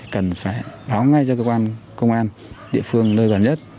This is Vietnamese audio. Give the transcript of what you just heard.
cần phải báo ngay cho cơ quan công an địa phương nơi gần nhất